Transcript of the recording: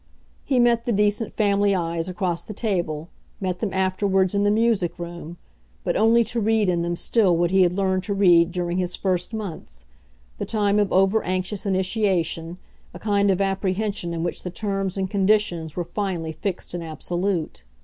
He met the decent family eyes across the table, met them afterwards in the music room, but only to read in them still what he had learned to read during his first months, the time of over anxious initiation, a kind of apprehension in which the terms and conditions were finally fixed and absolute.